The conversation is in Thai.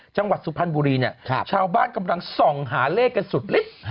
จังหวัดสุพรรณบุรีเนี่ยชาวบ้านกำลังส่องหาเลขกันสุดฤทธิ์